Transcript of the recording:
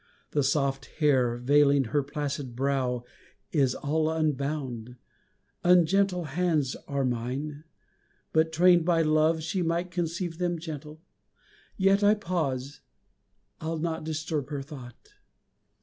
The soft hair Veiling her placid brow is all unbound, Ungentle hands are mine but, trained by love, She might conceive them gentle yet, I pause I'll not disturb her thought